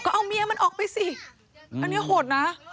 เอาเมียมันออกไปสิอันนี้โหดนะ